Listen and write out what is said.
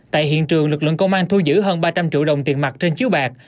tại hiện trường lực lượng công an thu giữ hơn ba trăm linh triệu đồng tiền mặt trên chiếu bạc